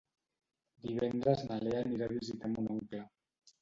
Divendres na Lea anirà a visitar mon oncle.